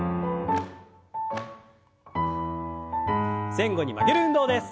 前後に曲げる運動です。